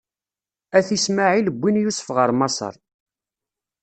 At Ismaɛil wwin Yusef ɣer Maṣer.